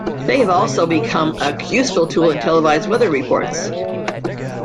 They have also become a useful tool in televised weather reports.